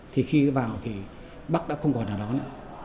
thì khi vào thì bác đã không còn ở đó nữa